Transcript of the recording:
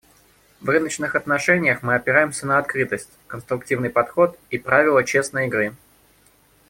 В рыночных отношениях мы опираемся на открытость, конструктивный подход и правила «честной игры».